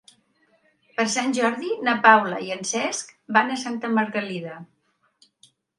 Per Sant Jordi na Paula i en Cesc van a Santa Margalida.